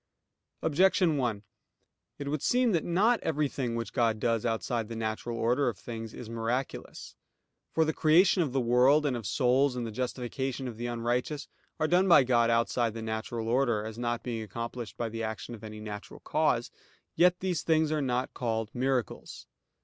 Objection 1: It would seem that not everything which God does outside the natural order of things, is miraculous. For the creation of the world, and of souls, and the justification of the unrighteous, are done by God outside the natural order; as not being accomplished by the action of any natural cause. Yet these things are not called miracles.